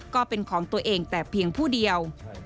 ก็เป็นของตัวเองแต่เพียงผู้เดียว